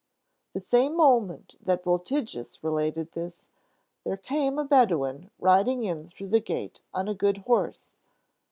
The same moment that Voltigius related this, there came a Bedouin riding in through the gate on a good horse.